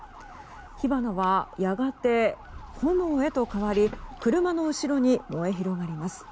火花はやがて炎へと変わり車の後ろに燃え広がります。